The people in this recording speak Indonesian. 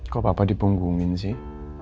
kok papa dipunggungin sih